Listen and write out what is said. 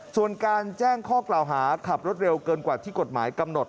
ส่วนการแจ้งข้อกล่าวหาขับรถเร็วเกินกว่าที่กฎหมายกำหนด